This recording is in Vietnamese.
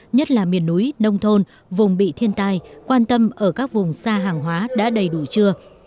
nhất là miền núi nông thôn vùng bị thiên tai quan tâm ở các vùng xa hàng hóa đã đầy đủ chưa